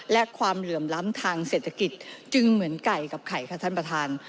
และความเหลื่อมล้ำทางเศรษฐกิจจึงเหมือนไก่กับไข่ค่ะท่านประธาน